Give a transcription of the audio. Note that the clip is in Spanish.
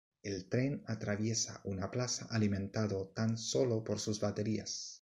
El tren atraviesa una plaza alimentado tan sólo por sus baterías.